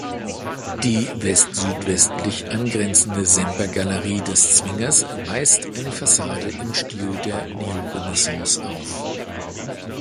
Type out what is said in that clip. Die westsüdwestlich angrenzende Sempergalerie des Zwingers weist eine Fassade im Stil der Neorenaissance auf.